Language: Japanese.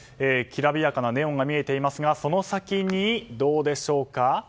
きらびやかなネオンが見えていますがその先に、どうでしょうか。